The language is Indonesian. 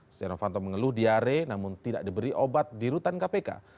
setia novanto mengeluh diare namun tidak diberi obat di rutan kpk